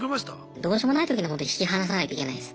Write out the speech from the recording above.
どうしようもない時にはホント引き離さないといけないです。